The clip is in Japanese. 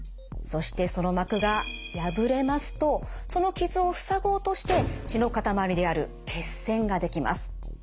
そしてその膜が破れますとその傷を塞ごうとして血のかたまりである血栓ができます。